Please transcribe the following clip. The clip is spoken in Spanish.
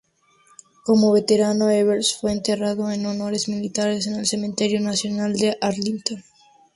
Como veterano, Evers fue enterrado con honores militares en el cementerio nacional de Arlington.